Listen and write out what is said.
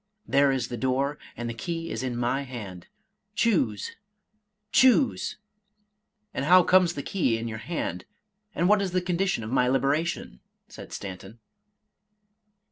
— There is the door, and the key is in my hand. — Choose — choose !"—" And how comes the key in your hand? and what is the condi tion of my liberation?" said Stanton.